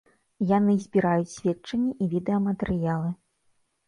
Яны збіраюць сведчанні і відэаматэрыялы.